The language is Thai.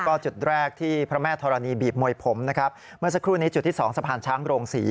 ก็จุดแรกที่พระแม่ธรณีบีบมวยผมนะครับเมื่อสักครู่นี้จุดที่สองสะพานช้างโรงศรี